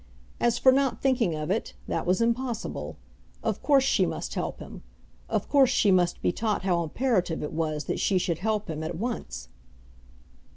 As for not thinking of it, that was impossible. Of course she must help him. Of course she must be taught how imperative it was that she should help him at once.